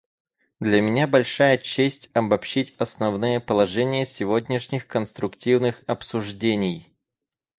Для меня большая честь обобщить основные положения сегодняшних конструктивных обсуждений.